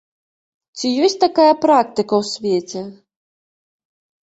Ці ёсць такая практыка ў свеце?